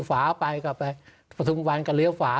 ฝาไปกลับไป